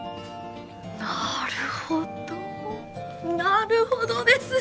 なるほどなるほどです！